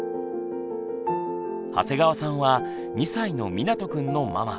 長谷川さんは２歳のみなとくんのママ。